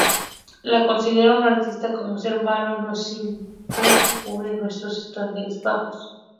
Lo considera un artista como ser malo no siempre cumple nuestros estándares bajos.